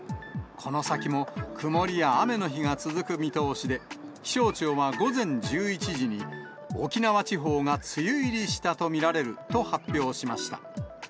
この先も曇りや雨の日が続く見通しで、気象庁は午前１１時に、沖縄地方が梅雨入りしたと見られると発表しました。